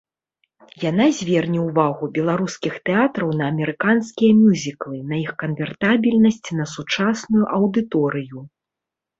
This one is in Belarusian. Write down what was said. Яна зверне ўвагу беларускіх тэатраў на амерыканскія мюзіклы, на іх канвертабельнасць на сучасную аўдыторыю.